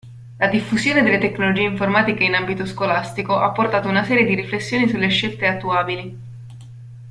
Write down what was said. La diffusione delle tecnologie informatiche in ambito scolastico ha portato una serie di riflessioni sulle scelte attuabili.